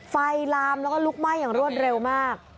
ลามแล้วก็ลุกไหม้อย่างรวดเร็วมาก